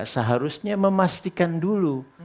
seharusnya memastikan dulu